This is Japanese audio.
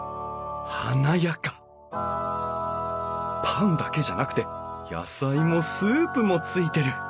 パンだけじゃなくて野菜もスープもついてる！